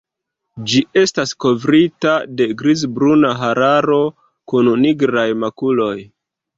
Ĝi estas kovrita de grizbruna hararo kun nigraj makuloj.